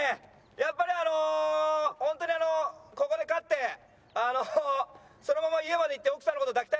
やっぱりあのホントにここで勝ってあのそのまま家まで行って奥さんの事抱きたいなと思います。